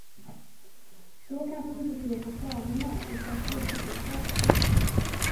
Så kanske vi inte ser på planerna, utan slutresultatet.